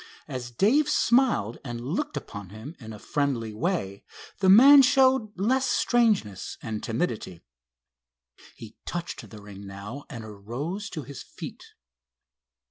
As Dave smiled and looked upon him in a friendly way, the man showed less strangeness and timidity. He touched the ring now and arose to his feet.